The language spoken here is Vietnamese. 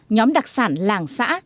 nhóm đặc sản làng xã